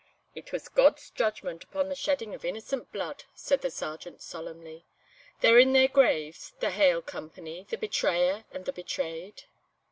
"It was God's judgment upon the shedding of innocent blood," said the Sergeant solemnly; "they're in their graves, the haill company, the betrayer and the betrayed.